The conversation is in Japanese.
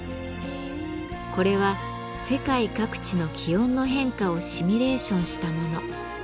これは世界各地の気温の変化をシミュレーションしたもの。